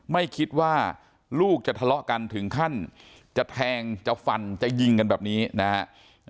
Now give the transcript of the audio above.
ไม่คิดว่าลูกจะทะเลาะกันถึงขั้นจะแทงจะฟันจะยิงกันแบบนี้นะครับ